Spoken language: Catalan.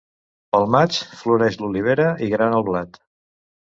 Pel maig floreix l'olivera i grana el blat.